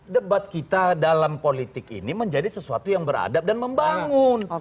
debat kita dalam politik ini menjadi sesuatu yang beradab dan membangun